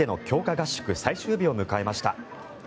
合宿最終日を迎えました。